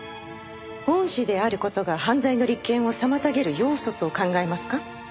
恩師である事が犯罪の立件を妨げる要素と考えますか？